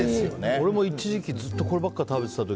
俺も一時期ずっとこればっかり食べてた。